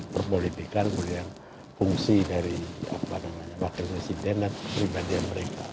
berpolitikkan berfungsi dari wakil presiden dan pribadi mereka